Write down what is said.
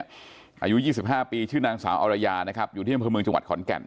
อายุ๒๕ปีชื่อนางสาวอรยานะครับอยู่ที่อำเภอเมืองจังหวัดขอนแก่น